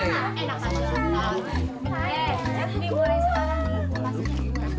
eh ini boleh sekarang nih